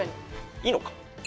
いいのか。